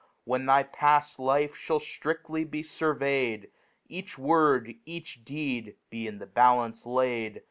When diy^paft Life ihajjftri^y br furvey'd, ^ Each Word, each Deed be in the Balance laid.